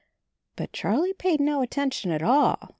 But Charlie paid no attention at all.